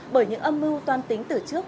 bởi những âm mưu toan tính từ trước